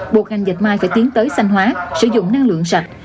buộc ngành dệt may phải tiến tới xanh hóa sử dụng năng lượng sạch